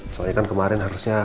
soalnya kan kemarin harusnya